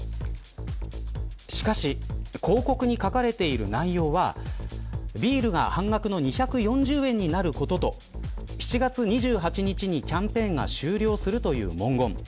しかし広告に書かれている内容はビールが半額の２４０円になることと７月２８日にキャンペーンが終了するという文言。